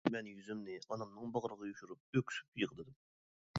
مەن يۈزۈمنى ئانامنىڭ باغرىغا يوشۇرۇپ ئۆكسۈپ يىغلىدىم.